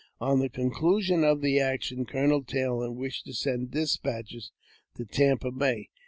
On the conclusion of the action Colonel Taylor wished to send despatches to Tampa Bay.